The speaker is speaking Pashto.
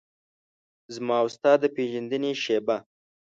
زما او ستا د پیژندنې شیبه